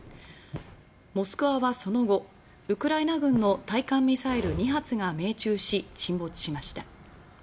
「モスクワ」はその後ウクライナ軍の対艦ミサイル２発が命中し沈没しました。